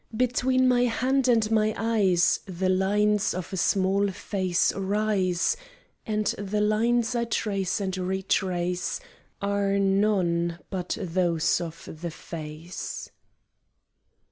Between my hand and my eyes The lines of a small face rise, And the lines I trace and retrace Are none but those of the face.